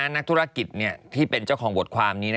นักธุรกิจที่เป็นเจ้าของบทความนี้